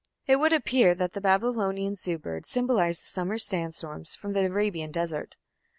It would appear that the Babylonian Zu bird symbolized the summer sandstorms from the Arabian desert.